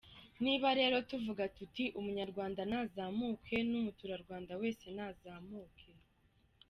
Niba rero tuvuga tuti ’umunyarwanda nazamuke n’umuturarwanda wese nazamuke.